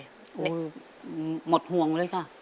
โอ้โฮหมดห่วงเลยค่ะ